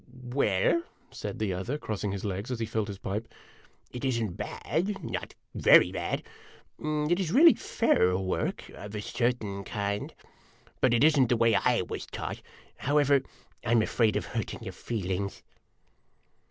"Well," said the other, crossing his legs as he filled his pipe, "it is n't bad not very bad. It is really fair work, of a certain kind. But it is n't the way / was taught. However, I 'm afraid of hurting your feelings."